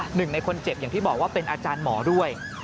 หนึ่งในคนเจ็บอย่างที่บอกว่าเป็นอาจารย์หมอด้วย